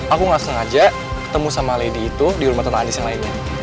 aku nggak sengaja ketemu sama lady itu di rumah tante adis yang lainnya